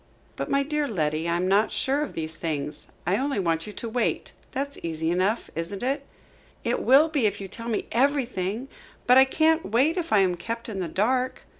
"But my dear Letty, I am not sure of these things. I only want you to wait. That's easy enough, isn't it?" "It will be, if you tell me everything. But I can't wait if I am kept in the dark."